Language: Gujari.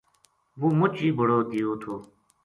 وہ مچ ہی بڑو دیو تھو